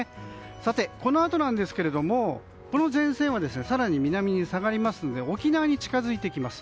さて、このあとなんですけどもこの前線は更に南へ下がりますので沖縄に近づいていきます。